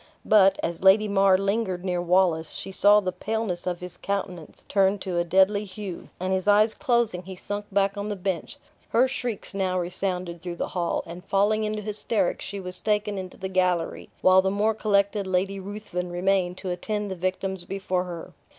But, as Lady Mar lingered near Wallace, she saw the paleness of his countenance turn to a deadly hue, and his eyes closing, he sunk back on the bench. Her shrieks now resounded through the hall, and, falling into hysterics, she was taken into the gallery; while the more collected Lady Ruthven remained to attend the victims before her.